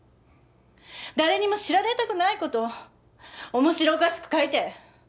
誰にも知られたくないことを面白おかしく書いて。